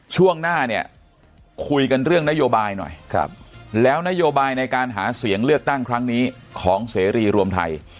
ช่วงหน้าเนี่ยคุยกันเรื่องนโยบายหน่อยแล้วนโยบายในการหาเสียงเลือกตั้งครั้งนี้ของเสรีรวมไทย